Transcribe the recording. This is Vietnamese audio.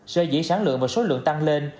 sơ dĩ sáng lượng và số lượng tăng lên